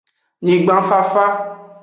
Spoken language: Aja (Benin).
Nyigban fafa.